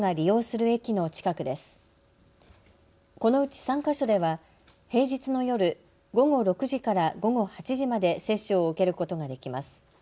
このうち３か所では平日の夜、午後６時から午後８時まで接種を受けることができます。